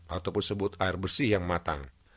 ataupun sebut air bersih yang matang